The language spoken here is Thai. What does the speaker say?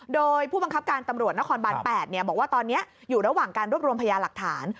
โดยผู้บังคับการตำรวจนครบาน๘บอกว่าตอนนี้อยู่ระหว่างการรวบรวมพยาหลักฐาน